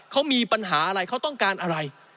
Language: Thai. เขามีปัญหาอะไรเขาต้องการอะไร